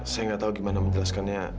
saya gak tau gimana menjelaskannya